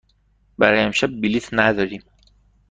برای امشب بلیط نداریم.